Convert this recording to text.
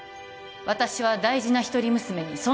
私は大事な一人娘に